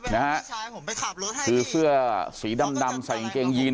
ที่คือเสื้อสีดำใส่อิงเกยงยีนส์